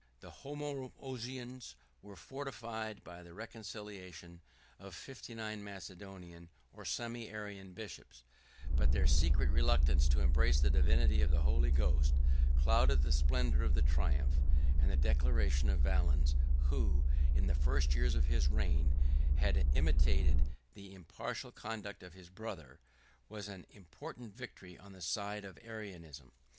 The Homoousians were fortified by the reconciliation of fifty nine Macelonian, or Semi Arian, bishops; but their secret reluctance to embrace the divinity of the Holy Ghost, clouded the splendor of the triumph; and the declaration of Valens, who, in the first years of his reign, had imitated the impartial conduct of his brother, was an important victory on the side of Arianism.